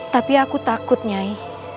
tapi aku takut nyai